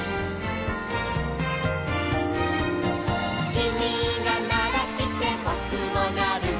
「きみがならしてぼくもなる」